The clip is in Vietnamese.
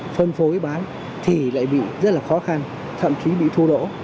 phân phối bán thì lại bị rất là khó khăn thậm chí bị thu đổ